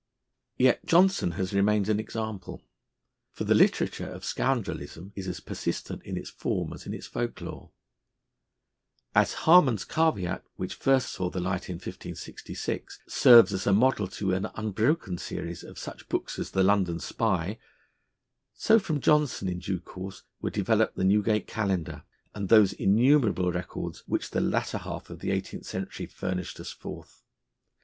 Yet Johnson has remained an example. For the literature of scoundrelism is as persistent in its form as in its folk lore. As Harman's Caveat, which first saw the light in 1566, serves as a model to an unbroken series of such books, as The London Spy, so from Johnson in due course were developed the Newgate Calendar, and those innumerable records, which the latter half of the Eighteenth Century furnished us forth.